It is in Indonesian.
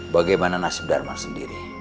bagaimana nasib darman sendiri